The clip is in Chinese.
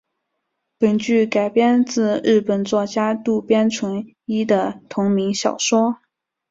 本剧改编自日本作家渡边淳一的同名小说。